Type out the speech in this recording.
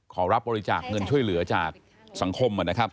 ขอรับบริจาคเงินช่วยเหลือจากสังคมนะครับ